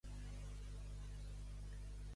Quants anys feia la Nieves llavors?